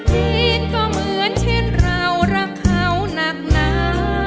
มีนก็เหมือนเช่นเรารักเขานักหนา